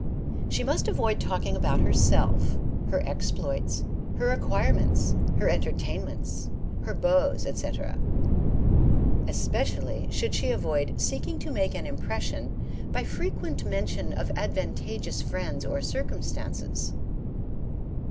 She must avoid talking about herself, her exploits, her acquirements, her entertainments, her beaux, etc. Especially should she avoid seeking to make an impression by frequent mention of advantageous friends or circumstances.